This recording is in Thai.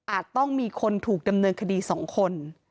ต้องมีคนถูกดำเนินคดี๒คน